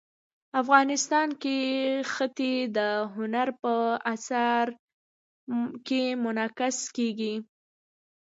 افغانستان کې ښتې د هنر په اثار کې منعکس کېږي.